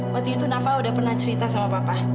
waktu itu nafa udah pernah cerita sama papa